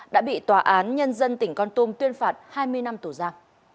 đã bị tòa án nhân dân tỉnh con tôm tuyên phạt hai mươi năm tù gia